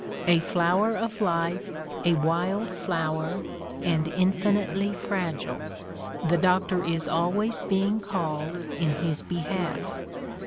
A flower of life, a wild flower, and infinitely fragile: the doctor is always being called in his behalf.